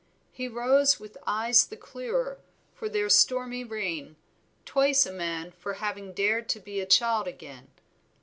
He rose with eyes the clearer for their stormy rain, twice a man for having dared to be a child again.